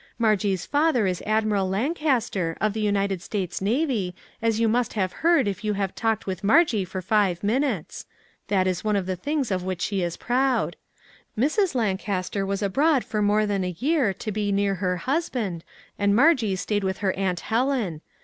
Margie's father is Admiral Lancaster, of the United States Navy, as you must have heard if you have talked with Margie for five minutes. That is one of the things of which she is proud. 344 "THAT LITTLE MAG JESSUP" Mrs. Lancaster was abroad for more than a year to be near her husband, and Margie stayed with her Aunt Helen.